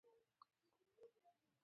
دوی خپلې پیسې په بهر کې ساتي.